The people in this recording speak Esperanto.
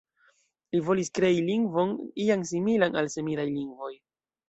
Li volis krei lingvon ian similan al semidaj lingvoj.